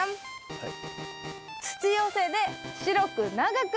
はい。